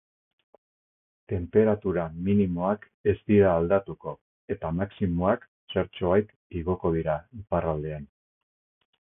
Tenperatura minimoak ez dira aldatuko, eta maximoak zertxobait igoko dira, iparraldean.